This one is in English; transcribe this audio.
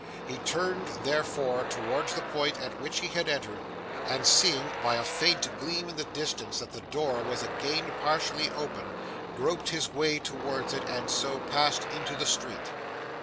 He turned, therefore, towards the point at which he had entered, and seeing by a faint gleam in the distance that the door was again partially open, groped his way towards it and so passed into the street.